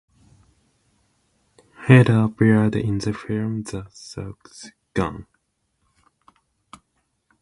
Heder appeared in the film "The Sasquatch Gang".